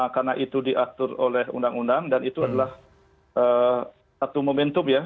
karena itu diatur oleh undang undang dan itu adalah satu momentum ya